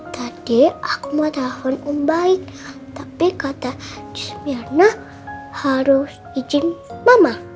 tadi aku mau telfon om baik tapi kata just mir nah harus ijin mama